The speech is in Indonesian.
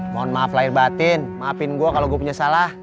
mohon maaf lahir batin maafin gua kalo gua punya salah